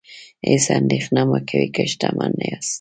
هیڅ اندیښنه مه کوئ که شتمن نه یاست.